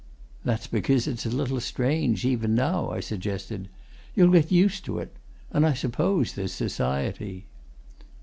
"That's because it's a little strange, even now," I suggested. "You'll get used to it. And I suppose there's society."